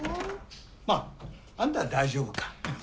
まああんたは大丈夫か。